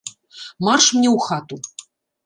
Марш мне ў хату.